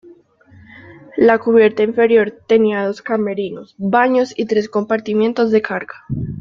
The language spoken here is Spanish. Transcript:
La cubierta inferior tenía dos camerinos, baños y tres compartimientos de carga.